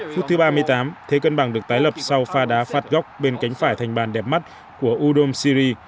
phút thứ ba mươi tám thế cân bằng được tái lập sau pha đá phạt góc bên cánh phải thành bàn đẹp mắt của udom siri